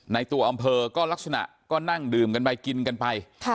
ในตัวอำเภอก็ลักษณะก็นั่งดื่มกันไปกินกันไป